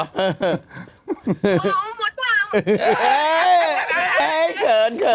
อ๋อหมดความเอ้ยเขิน